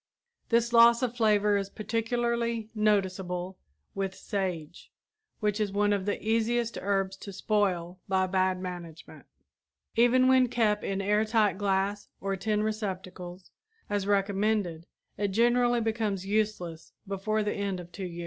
This loss of flavor is particularly noticeable with sage, which is one of the easiest herbs to spoil by bad management. Even when kept in air tight glass or tin receptacles, as recommended, it generally becomes useless before the end of two years.